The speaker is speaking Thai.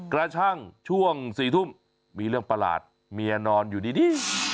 กระทั่งช่วง๔ทุ่มมีเรื่องประหลาดเมียนอนอยู่ดี